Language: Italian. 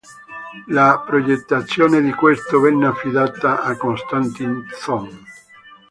La progettazione di questo venne affidata a Konstantin Thon.